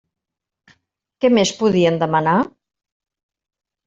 Què més podien demanar?